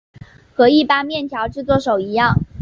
和一般面条制作手一样。